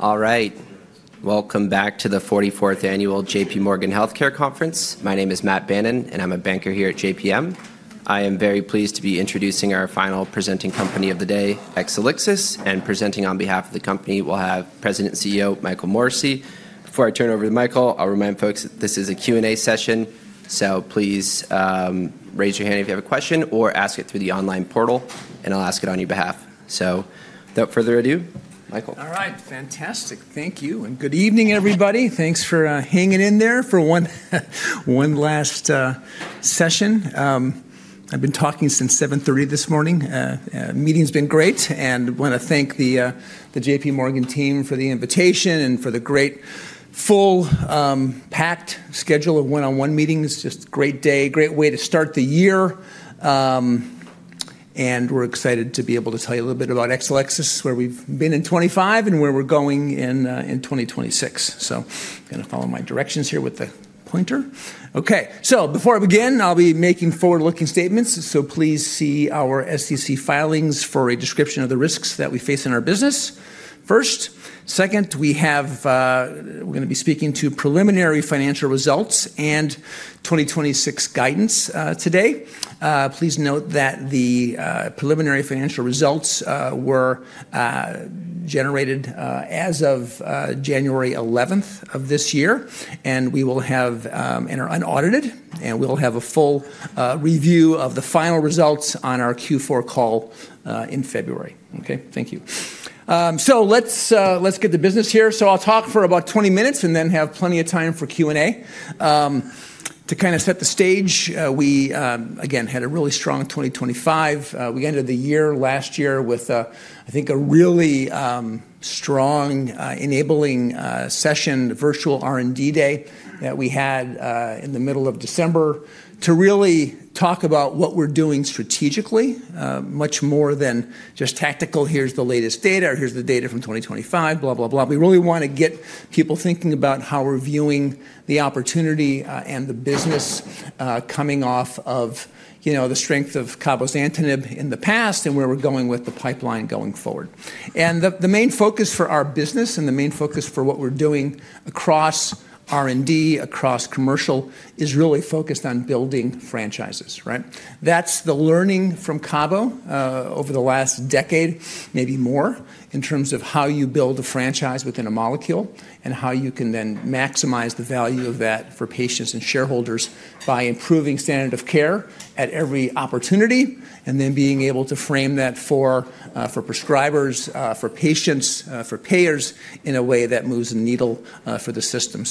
All right. Welcome back to the 44th Annual J.P. Morgan Healthcare Conference. My name is Matt Bannon, and I'm a banker here at JPM. I am very pleased to be introducing our final presenting company of the day, Exelixis, and presenting on behalf of the company, we'll have President and CEO Michael Morrissey. Before I turn it over to Michael, I'll remind folks that this is a Q&A session, so please raise your hand if you have a question or ask it through the online portal, and I'll ask it on your behalf. So, without further ado, Michael. All right. Fantastic. Thank you. And good evening, everybody. Thanks for hanging in there for one last session. I've been talking since 7:30 this morning. The meeting's been great. And I want to thank the J.P. Morgan team for the invitation and for the great, full, packed schedule of one-on-one meetings. Just a great day, great way to start the year. And we're excited to be able to tell you a little bit about Exelixis, where we've been in 2025 and where we're going in 2026. So, I'm going to follow my directions here with the pointer. Okay. So, before I begin, I'll be making forward-looking statements. So, please see our SEC filings for a description of the risks that we face in our business first. Second, we're going to be speaking to preliminary financial results and 2026 guidance today. Please note that the preliminary financial results were generated as of January 11th of this year, and we will have and are unaudited, and we'll have a full review of the final results on our Q4 call in February. Okay. Thank you. So, let's get to business here. So, I'll talk for about 20 minutes and then have plenty of time for Q&A. To kind of set the stage, we, again, had a really strong 2025. We ended the year last year with, I think, a really strong enabling session, the virtual R&D Day that we had in the middle of December, to really talk about what we're doing strategically, much more than just tactical. Here's the latest data, or here's the data from 2025, blah, blah, blah. We really want to get people thinking about how we're viewing the opportunity and the business coming off of the strength of cabozantinib in the past and where we're going with the pipeline going forward. And the main focus for our business and the main focus for what we're doing across R&D, across commercial, is really focused on building franchises, right? That's the learning from cabo over the last decade, maybe more, in terms of how you build a franchise within a molecule and how you can then maximize the value of that for patients and shareholders by improving standard of care at every opportunity and then being able to frame that for prescribers, for patients, for payers in a way that moves a needle for the system.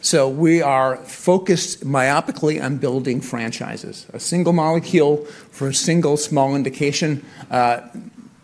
So, we are focused myopically on building franchises. A single molecule for a single small indication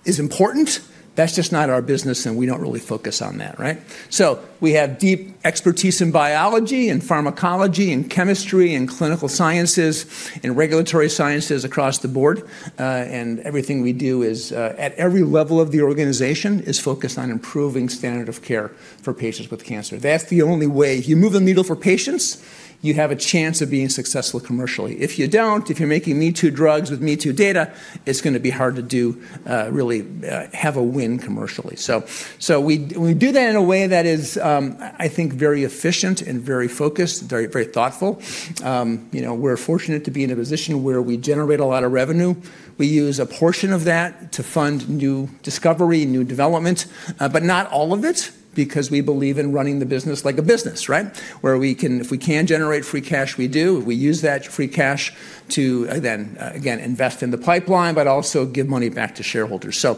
is important. That's just not our business, and we don't really focus on that, right? So, we have deep expertise in biology and pharmacology and chemistry and clinical sciences and regulatory sciences across the board. And everything we do is, at every level of the organization, is focused on improving standard of care for patients with cancer. That's the only way if you move a needle for patients, you have a chance of being successful commercially. If you don't, if you're making me-too drugs with me-too data, it's going to be hard to really have a win commercially. So, we do that in a way that is, I think, very efficient and very focused, very thoughtful. We're fortunate to be in a position where we generate a lot of revenue. We use a portion of that to fund new discovery, new development, but not all of it, because we believe in running the business like a business, right? Where we can, if we can generate free cash, we do. We use that free cash to then, again, invest in the pipeline, but also give money back to shareholders. So,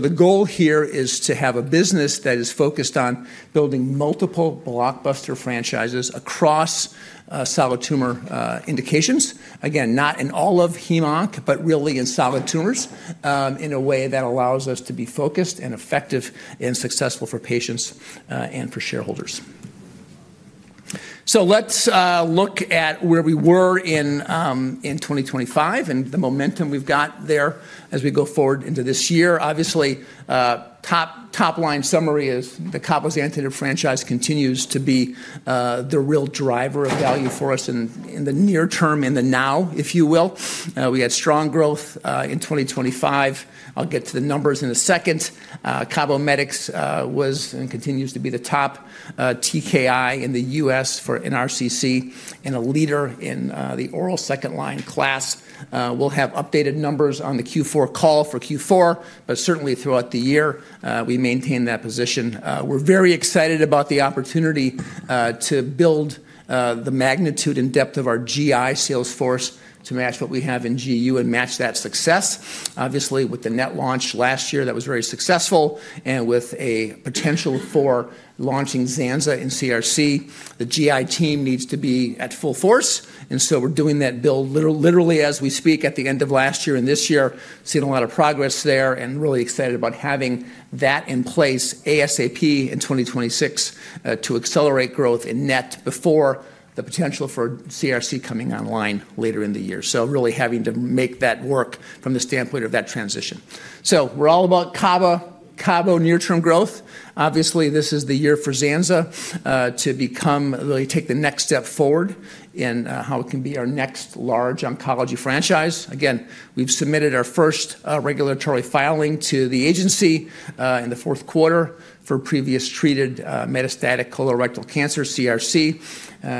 the goal here is to have a business that is focused on building multiple blockbuster franchises across solid tumor indications. Again, not in all of HemOnc, but really in solid tumors in a way that allows us to be focused and effective and successful for patients and for shareholders. So, let's look at where we were in 2025 and the momentum we've got there as we go forward into this year. Obviously, top-line summary is the cabozantinib franchise continues to be the real driver of value for us in the near term, in the now, if you will. We had strong growth in 2025. I'll get to the numbers in a second. CABOMETYX was and continues to be the top TKI in the U.S. for RCC and a leader in the oral second-line class. We'll have updated numbers on the Q4 call for Q4, but certainly throughout the year, we maintain that position. We're very excited about the opportunity to build the magnitude and depth of our GI sales force to match what we have in GU and match that success. Obviously, with the NET launch last year that was very successful and with a potential for launching zanza in CRC, the GI team needs to be at full force. And so, we're doing that build literally as we speak at the end of last year and this year, seeing a lot of progress there and really excited about having that in place ASAP in 2026 to accelerate growth in NET before the potential for CRC coming online later in the year. So, really having to make that work from the standpoint of that transition. So, we're all about cabo, cabo near-term growth. Obviously, this is the year for zanza to become, really take the next step forward in how it can be our next large oncology franchise. Again, we've submitted our first regulatory filing to the agency in the fourth quarter for previously treated metastatic colorectal cancer, CRC.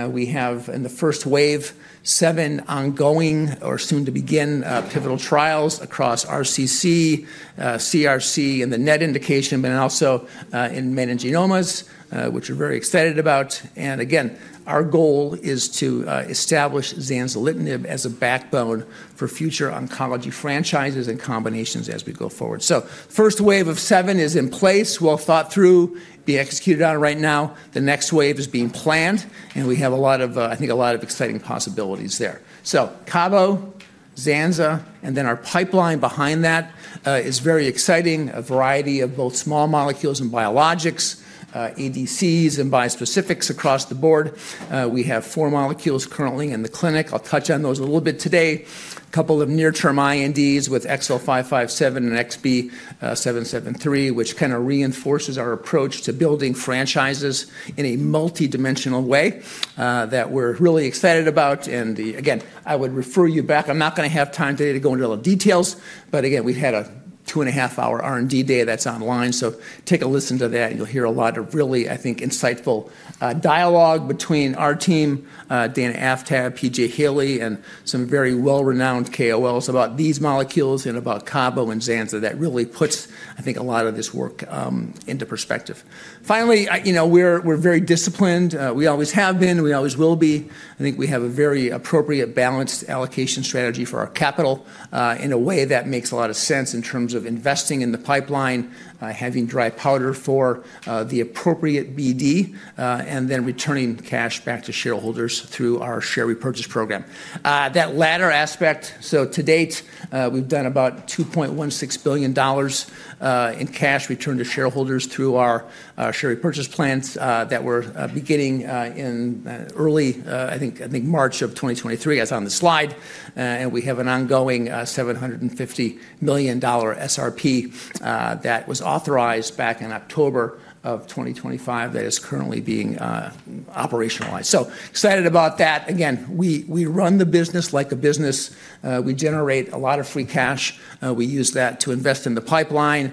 We have, in the first wave, seven ongoing or soon-to-begin pivotal trials across RCC, CRC, and the NET indication, but also in meningiomas, which we're very excited about. And again, our goal is to establish zanzalitinib as a backbone for future oncology franchises and combinations as we go forward. So, first wave of seven is in place, well thought through, being executed on right now. The next wave is being planned, and we have a lot of, I think, a lot of exciting possibilities there. So, cabo, zanza, and then our pipeline behind that is very exciting, a variety of both small molecules and biologics, ADCs and bispecifics across the board. We have four molecules currently in the clinic. I'll touch on those a little bit today. A couple of near-term INDs with XL557 and XB773, which kind of reinforces our approach to building franchises in a multidimensional way that we're really excited about. And again, I would refer you back. I'm not going to have time today to go into all the details, but again, we had a two-and-a-half-hour R&D Day that's online, so take a listen to that, and you'll hear a lot of really, I think, insightful dialogue between our team, Dana Aftab, P.J. Haley, and some very well-renowned KOLs about these molecules and about cabo and zanza that really puts, I think, a lot of this work into perspective. Finally, we're very disciplined. We always have been, we always will be. I think we have a very appropriate balanced allocation strategy for our capital in a way that makes a lot of sense in terms of investing in the pipeline, having dry powder for the appropriate BD, and then returning cash back to shareholders through our share repurchase program. That latter aspect, so to date, we've done about $2.16 billion in cash returned to shareholders through our share repurchase plans that we're beginning in early, I think, March of 2023, as on the slide, and we have an ongoing $750 million SRP that was authorized back in October of 2025 that is currently being operationalized, so excited about that. Again, we run the business like a business. We generate a lot of free cash. We use that to invest in the pipeline,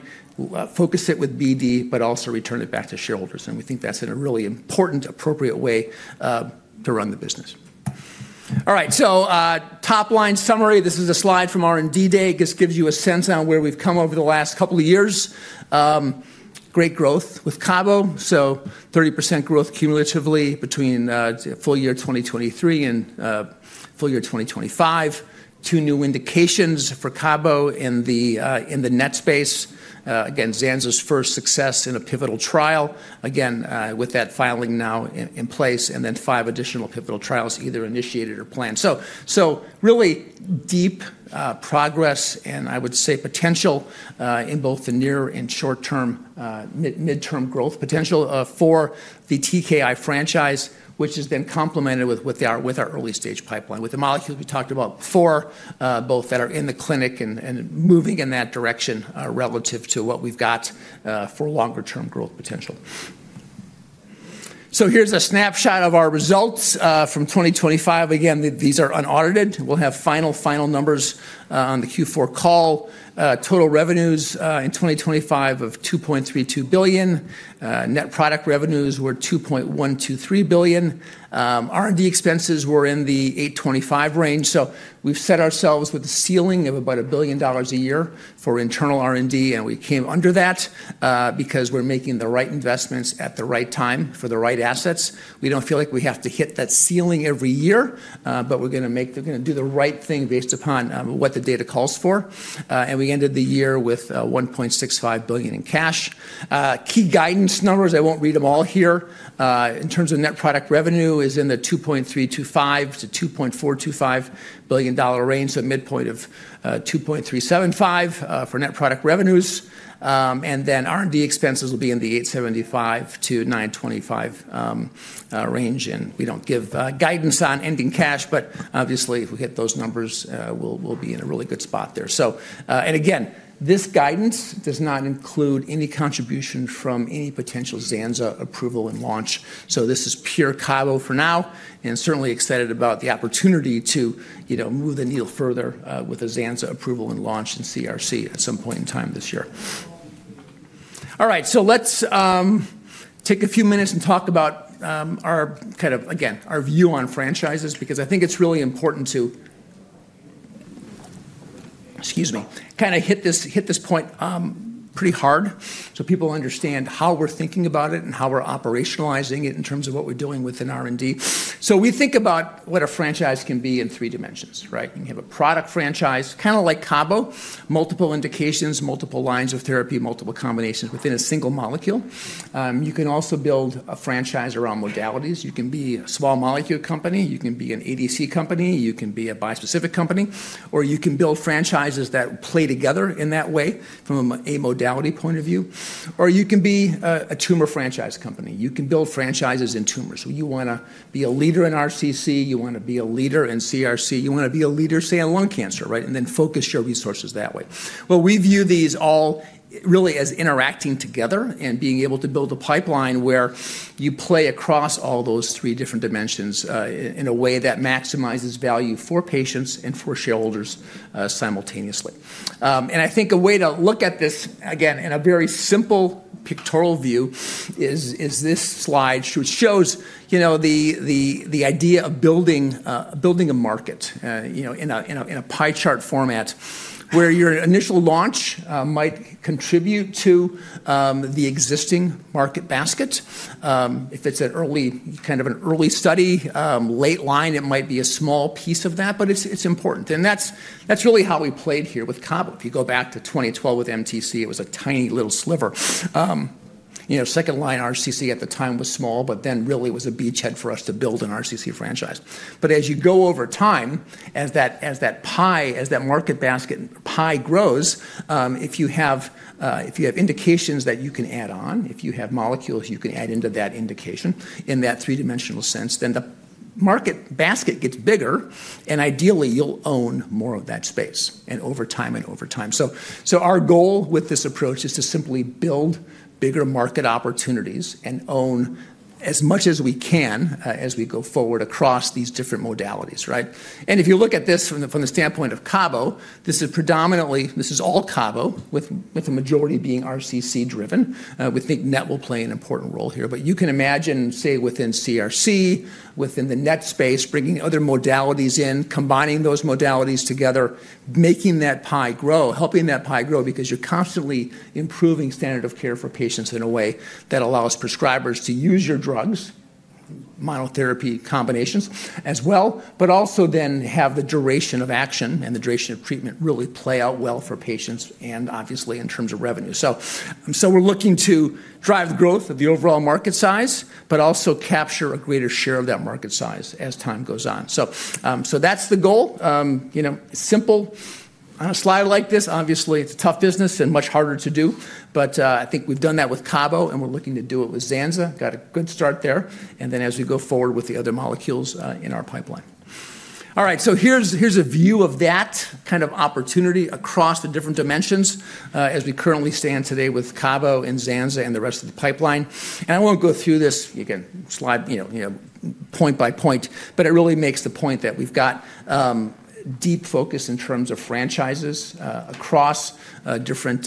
focus it with BD, but also return it back to shareholders, and we think that's in a really important, appropriate way to run the business. All right, so top-line summary, this is a slide from R&D Day. It just gives you a sense on where we've come over the last couple of years. Great growth with cabo. So, 30% growth cumulatively between full year 2023 and full year 2025. Two new indications for cabo in the NET space. Again, zanza's first success in a pivotal trial. Again, with that filing now in place and then five additional pivotal trials either initiated or planned. So, really deep progress and I would say potential in both the near and short-term, mid-term growth potential for the TKI franchise, which is then complemented with our early-stage pipeline, with the molecules we talked about before, both that are in the clinic and moving in that direction relative to what we've got for longer-term growth potential. So, here's a snapshot of our results from 2025. Again, these are unaudited. We'll have final, final numbers on the Q4 call. Total revenues in 2025 of $2.32 billion. Net product revenues were $2.123 billion. R&D expenses were in the $825 million range. We've set ourselves with a ceiling of about a billion dollars a year for internal R&D, and we came under that because we're making the right investments at the right time for the right assets. We don't feel like we have to hit that ceiling every year, but we're going to do the right thing based upon what the data calls for. And we ended the year with $1.65 billion in cash. Key guidance numbers. I won't read them all here. In terms of net product revenue, it is in the $2.325 billion-$2.425 billion range, so midpoint of $2.375 billion for net product revenues. And then R&D expenses will be in the $875 million-$925 million range. And we don't give guidance on ending cash, but obviously, if we hit those numbers, we'll be in a really good spot there. So, and again, this guidance does not include any contribution from any potential zanza approval and launch. So, this is pure cabo for now and certainly excited about the opportunity to move the needle further with a zanza approval and launch in CRC at some point in time this year. All right. So, let's take a few minutes and talk about our kind of, again, our view on franchises because I think it's really important to, excuse me, kind of hit this point pretty hard so people understand how we're thinking about it and how we're operationalizing it in terms of what we're doing within R&D. So, we think about what a franchise can be in three dimensions, right? You have a product franchise, kind of like cabo, multiple indications, multiple lines of therapy, multiple combinations within a single molecule. You can also build a franchise around modalities. You can be a small molecule company. You can be an ADC company. You can be a bispecific company. Or you can build franchises that play together in that way from a modality point of view. Or you can be a tumor franchise company. You can build franchises in tumors. So, you want to be a leader in RCC. You want to be a leader in CRC. You want to be a leader, say, in lung cancer, right? And then focus your resources that way. Well, we view these all really as interacting together and being able to build a pipeline where you play across all those three different dimensions in a way that maximizes value for patients and for shareholders simultaneously. I think a way to look at this, again, in a very simple pictorial view is this slide, which shows the idea of building a market in a pie chart format where your initial launch might contribute to the existing market basket. If it's an early, kind of an early study, late line, it might be a small piece of that, but it's important. That's really how we played here with cabo. If you go back to 2012 with MTC, it was a tiny little sliver. Second-line RCC at the time was small, but then really was a beachhead for us to build an RCC franchise. But as you go over time, as that pie, as that market basket pie grows, if you have indications that you can add on, if you have molecules you can add into that indication in that three-dimensional sense, then the market basket gets bigger and ideally you'll own more of that space over time and over time. So, our goal with this approach is to simply build bigger market opportunities and own as much as we can as we go forward across these different modalities, right? And if you look at this from the standpoint of cabo, this is predominantly, this is all cabo with the majority being RCC-driven. We think NET will play an important role here, but you can imagine, say, within CRC, within the NET space, bringing other modalities in, combining those modalities together, making that pie grow, helping that pie grow because you're constantly improving standard of care for patients in a way that allows prescribers to use your drugs, monotherapy combinations as well, but also then have the duration of action and the duration of treatment really play out well for patients and obviously in terms of revenue. So, we're looking to drive the growth of the overall market size, but also capture a greater share of that market size as time goes on. So, that's the goal. Simple on a slide like this, obviously it's a tough business and much harder to do, but I think we've done that with cabo and we're looking to do it with zanza. Got a good start there. And then as we go forward with the other molecules in our pipeline. All right. So, here's a view of that kind of opportunity across the different dimensions as we currently stand today with cabo and zanza and the rest of the pipeline. And I won't go through this, again, slide point by point, but it really makes the point that we've got deep focus in terms of franchises across different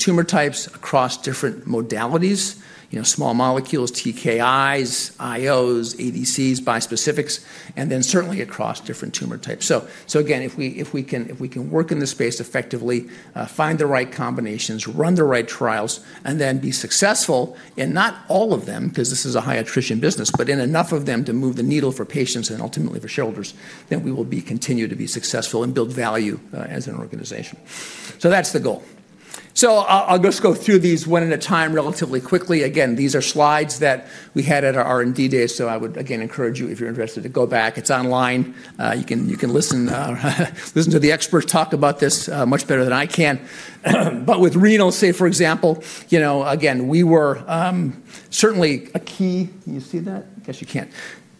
tumor types, across different modalities, small molecules, TKIs, IOs, ADCs, bispecifics, and then certainly across different tumor types. So, again, if we can work in this space effectively, find the right combinations, run the right trials, and then be successful in not all of them, because this is a high-attrition business, but in enough of them to move the needle for patients and ultimately for shareholders, then we will continue to be successful and build value as an organization. So, that's the goal. So, I'll just go through these one at a time relatively quickly. Again, these are slides that we had at our R&D Day. So, I would again encourage you, if you're interested, to go back. It's online. You can listen to the experts talk about this much better than I can. But with renal, say, for example, again, we were certainly a key, you see that? I guess you can't.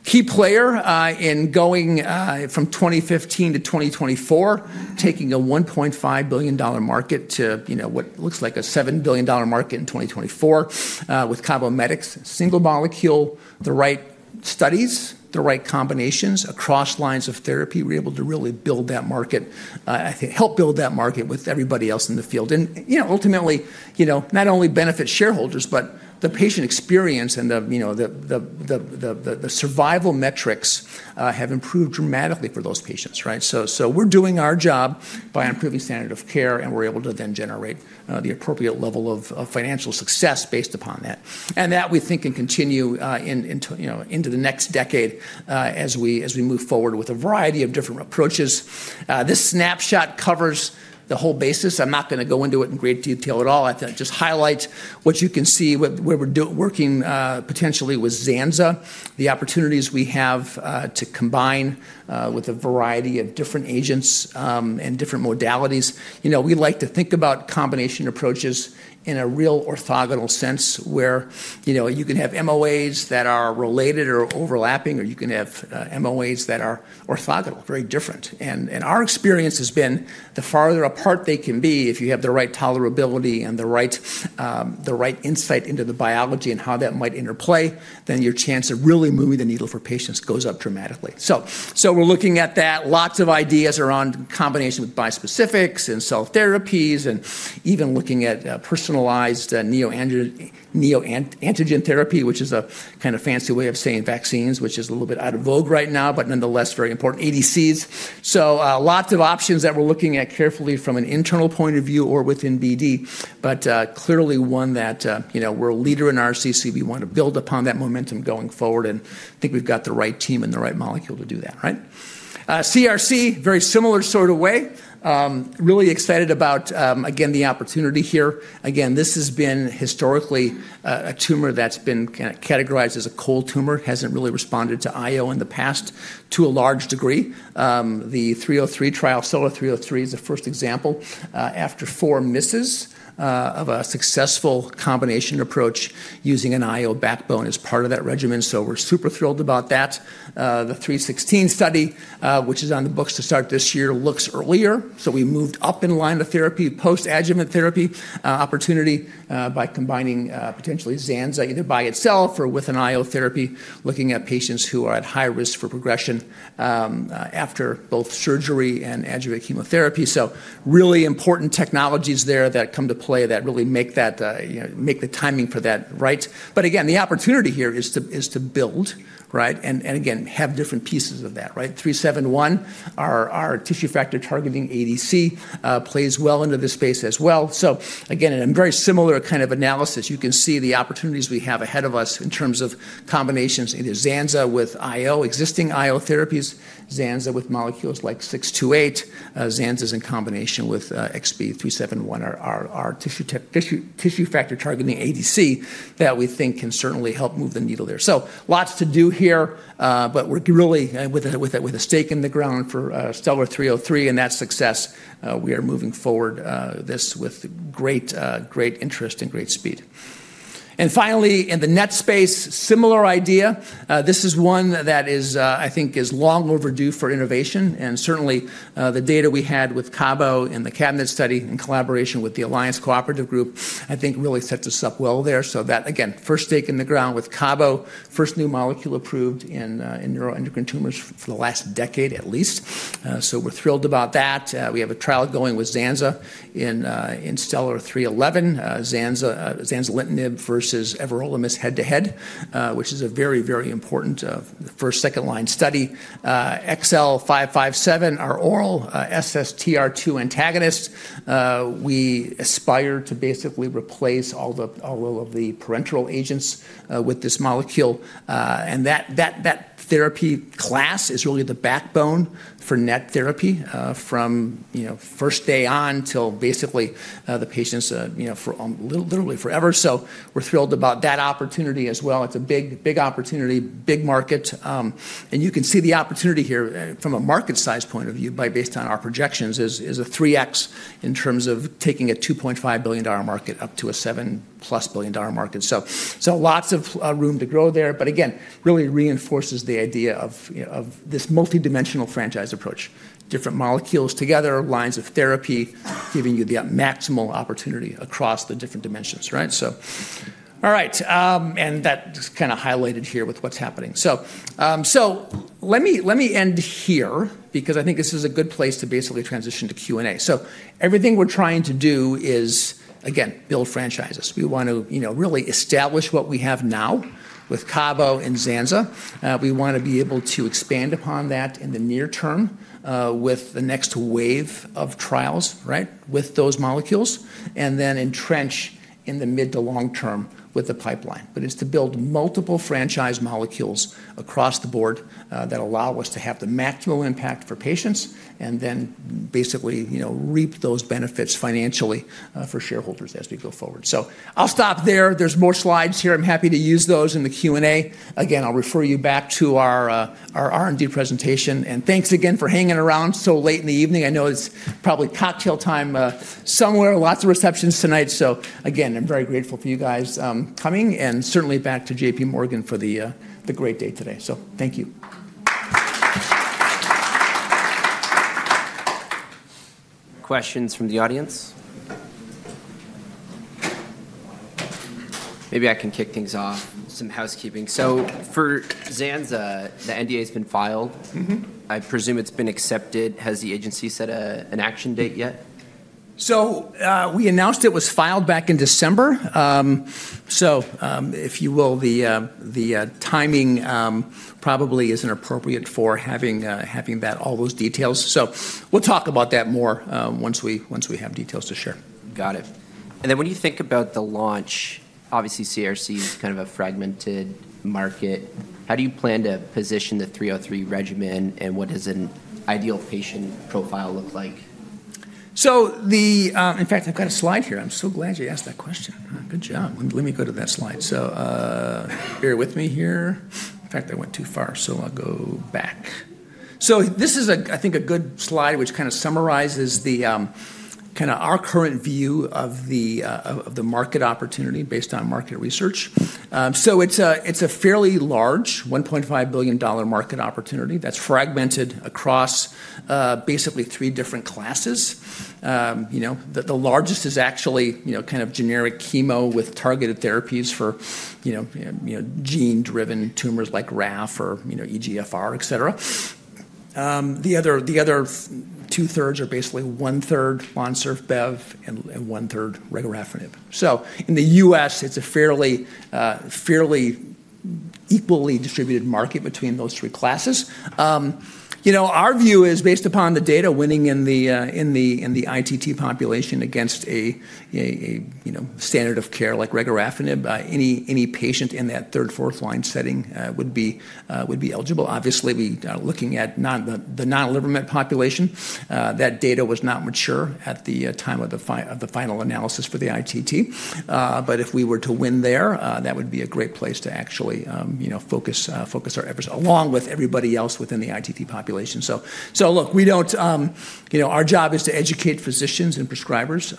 Key player in going from 2015 to 2024, taking a $1.5 billion market to what looks like a $7 billion market in 2024 with CABOMETYX, single molecule, the right studies, the right combinations across lines of therapy. We're able to really build that market, help build that market with everybody else in the field. And ultimately, not only benefit shareholders, but the patient experience and the survival metrics have improved dramatically for those patients, right? So, we're doing our job by improving standard of care, and we're able to then generate the appropriate level of financial success based upon that. And that we think can continue into the next decade as we move forward with a variety of different approaches. This snapshot covers the whole basis. I'm not going to go into it in great detail at all. I just highlight what you can see where we're working potentially with zanza, the opportunities we have to combine with a variety of different agents and different modalities. We like to think about combination approaches in a real orthogonal sense where you can have MOAs that are related or overlapping, or you can have MOAs that are orthogonal, very different. And our experience has been the farther apart they can be, if you have the right tolerability and the right insight into the biology and how that might interplay, then your chance of really moving the needle for patients goes up dramatically. So, we're looking at that. Lots of ideas around combination with bispecifics and cell therapies and even looking at personalized neoantigen therapy, which is a kind of fancy way of saying vaccines, which is a little bit out of vogue right now, but nonetheless very important, ADCs. Lots of options that we're looking at carefully from an internal point of view or within BD, but clearly one that we're a leader in RCC. We want to build upon that momentum going forward, and I think we've got the right team and the right molecule to do that, right? CRC, very similar sort of way. Really excited about, again, the opportunity here. Again, this has been historically a tumor that's been categorized as a cold tumor. Hasn't really responded to IO in the past to a large degree. The 303 trial, STELLAR-303, is the first example after four misses of a successful combination approach using an IO backbone as part of that regimen. So, we're super thrilled about that. The 316 study, which is on the books to start this year, looks earlier. We moved up in line of therapy, post-adjuvant therapy opportunity by combining potentially zanza either by itself or with an IO therapy, looking at patients who are at high risk for progression after both surgery and adjuvant chemotherapy. Really important technologies there that come to play that really make the timing for that right. The opportunity here is to build, right? Again, have different pieces of that, right? XB371, our tissue factor targeting ADC plays well into this space as well. Again, in a very similar kind of analysis, you can see the opportunities we have ahead of us in terms of combinations, either zanza with IO, existing IO therapies, zanza with molecules like 628, zanza's in combination with XB371, our tissue factor targeting ADC that we think can certainly help move the needle there. So, lots to do here, but we're really with a stake in the ground for STELLAR-303 and that success, we are moving forward this with great interest and great speed. And finally, in the NET space, similar idea. This is one that I think is long overdue for innovation. And certainly, the data we had with cabo in the CABINET study in collaboration with the Alliance Cooperative Group, I think really sets us up well there. So that, again, first stake in the ground with cabo, first new molecule approved in neuroendocrine tumors for the last decade at least. So, we're thrilled about that. We have a trial going with zanza in STELLAR-311, zanzalitinib versus everolimus head-to-head, which is a very, very important first, second-line study. XL557, our oral SSTR2 antagonist. We aspire to basically replace all of the parenteral agents with this molecule. And that therapy class is really the backbone for NET therapy from first day on until basically the patients for literally forever. So, we're thrilled about that opportunity as well. It's a big opportunity, big market. And you can see the opportunity here from a market size point of view, based on our projections, is a 3x in terms of taking a $2.5 billion market up to a $7+ billion market. So, lots of room to grow there. But again, really reinforces the idea of this multidimensional franchise approach. Different molecules together, lines of therapy, giving you the maximal opportunity across the different dimensions, right? So, all right. And that's kind of highlighted here with what's happening. So, let me end here because I think this is a good place to basically transition to Q&A. So, everything we're trying to do is, again, build franchises. We want to really establish what we have now with cabo and zanza. We want to be able to expand upon that in the near term with the next wave of trials, right, with those molecules, and then entrench in the mid to long term with the pipeline. But it's to build multiple franchise molecules across the board that allow us to have the maximum impact for patients and then basically reap those benefits financially for shareholders as we go forward. So, I'll stop there. There's more slides here. I'm happy to use those in the Q&A. Again, I'll refer you back to our R&D presentation, and thanks again for hanging around so late in the evening. I know it's probably cocktail time somewhere. Lots of receptions tonight, so, again, I'm very grateful for you guys coming and certainly back to J.P. Morgan for the great day today. So, thank you. Questions from the audience? Maybe I can kick things off, some housekeeping. So, for zanza, the NDA has been filed. I presume it's been accepted. Has the agency set an action date yet? So, we announced it was filed back in December. So, if you will, the timing probably isn't appropriate for having all those details. So, we'll talk about that more once we have details to share. Got it. And then when you think about the launch, obviously CRC is kind of a fragmented market. How do you plan to position the 303 regimen and what does an ideal patient profile look like? So, in fact, I've got a slide here. I'm so glad you asked that question. Good job. Let me go to that slide. So, bear with me here. In fact, I went too far, so I'll go back. This is, I think, a good slide which kind of summarizes kind of our current view of the market opportunity based on market research. It's a fairly large $1.5 billion market opportunity that's fragmented across basically three different classes. The largest is actually kind of generic chemo with targeted therapies for gene-driven tumors like RAF or EGFR, etc. The other two-thirds are basically one-third LONSURF, Bev, and one-third regorafenib. In the U.S., it's a fairly equally distributed market between those three classes. Our view is based upon the data winning in the ITT population against a standard of care like regorafenib. Any patient in that third, fourth line setting would be eligible. Obviously, we are looking at the non-liver met population. That data was not mature at the time of the final analysis for the ITT. But if we were to win there, that would be a great place to actually focus our efforts along with everybody else within the ITT population. So, look, our job is to educate physicians and prescribers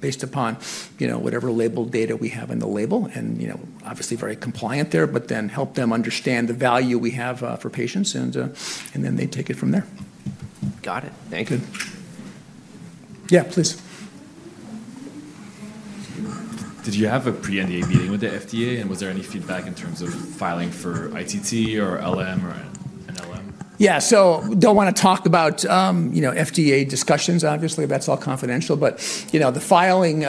based upon whatever labeled data we have in the label and obviously very compliant there, but then help them understand the value we have for patients, and then they take it from there. Got it. Thank you. Yeah, please. Did you have a pre-NDA meeting with the FDA, and was there any feedback in terms of filing for ITT or LM or NLM? Yeah. So, don't want to talk about FDA discussions, obviously. That's all confidential. But the filing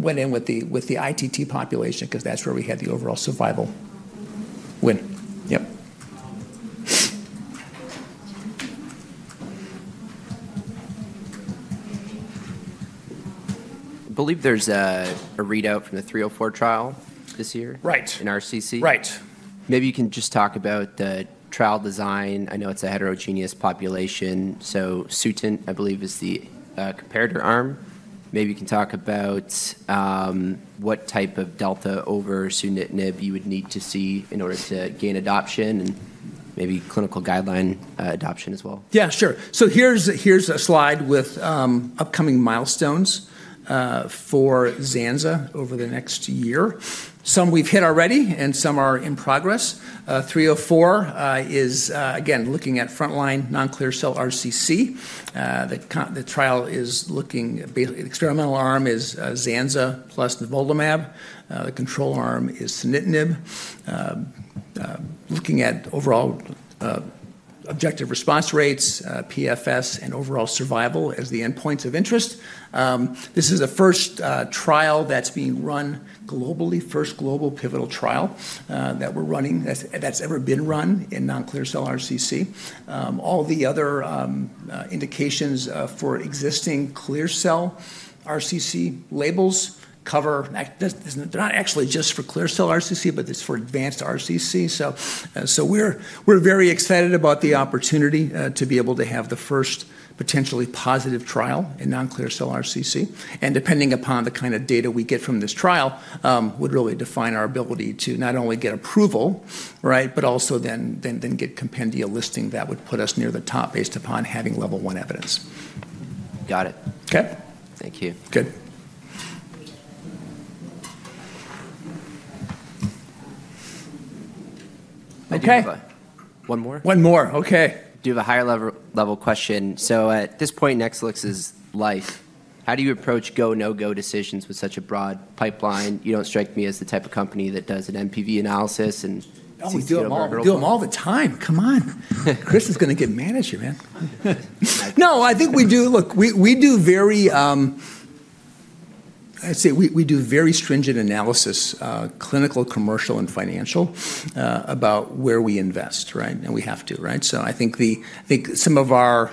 went in with the ITT population because that's where we had the overall survival win. Yep. I believe there's a readout from the 304 trial this year in RCC. Right. Maybe you can just talk about the trial design. I know it's a heterogeneous population. So, Sutent, I believe, is the comparator arm. Maybe you can talk about what type of delta over sunitinib you would need to see in order to gain adoption and maybe clinical guideline adoption as well. Yeah, sure. So, here's a slide with upcoming milestones for zanza over the next year. Some we've hit already, and some are in progress. 304 is, again, looking at frontline non-clear cell RCC. The trial is looking at experimental arm is zanza plus nivolumab. The control arm is sunitinib. Looking at overall objective response rates, PFS, and overall survival as the endpoints of interest. This is a first trial that's being run globally, first global pivotal trial that we're running that's ever been run in non-clear cell RCC. All the other indications for existing clear cell RCC labels cover. They're not actually just for clear cell RCC, but it's for advanced RCC. So, we're very excited about the opportunity to be able to have the first potentially positive trial in non-clear cell RCC. And depending upon the kind of data we get from this trial would really define our ability to not only get approval, right, but also then get compendia listing that would put us near the top based upon having level one evidence. Got it. Okay. Thank you. Good. Okay. One more? One more. Okay. Do you have a higher level question? So, at this point, Exelixis' pipeline. How do you approach go-no-go decisions with such a broad pipeline? You don't strike me as the type of company that does an NPV analysis and does it very well. We do them all the time. Come on. Chris is going to get mad at you, man. No, I think we do. Look, we do very stringent analysis, I'd say, clinical, commercial, and financial about where we invest, right? And we have to, right? So, I think some of our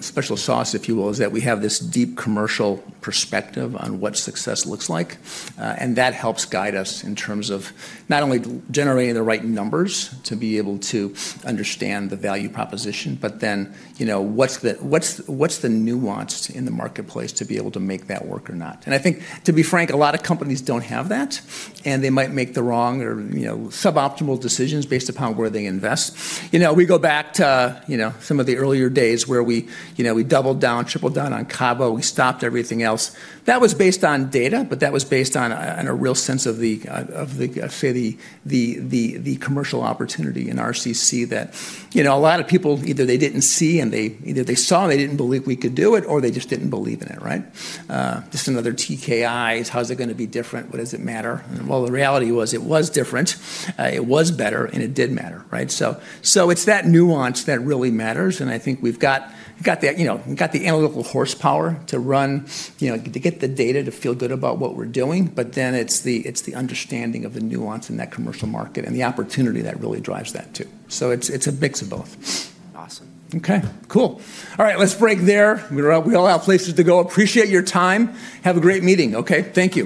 special sauce, if you will, is that we have this deep commercial perspective on what success looks like. And that helps guide us in terms of not only generating the right numbers to be able to understand the value proposition, but then what's the nuance in the marketplace to be able to make that work or not. And I think, to be frank, a lot of companies don't have that, and they might make the wrong or suboptimal decisions based upon where they invest. We go back to some of the earlier days where we doubled down, tripled down on cabo. We stopped everything else. That was based on data, but that was based on a real sense of the, I'd say, the commercial opportunity in RCC that a lot of people either they didn't see and they either saw and they didn't believe we could do it, or they just didn't believe in it, right? Just another TKIs. How's it going to be different? What does it matter? Well, the reality was it was different. It was better, and it did matter, right? So, it's that nuance that really matters. And I think we've got the analytical horsepower to run, to get the data to feel good about what we're doing. But then it's the understanding of the nuance in that commercial market and the opportunity that really drives that too. So, it's a mix of both. Awesome. Okay. Cool. All right. Let's break there. We all have places to go. Appreciate your time. Have a great meeting. Okay. Thank you.